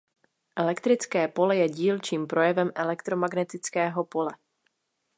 Elektrické pole je dílčím projevem elektromagnetického pole.